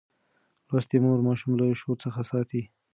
لوستې مور ماشوم له شور څخه ساتي.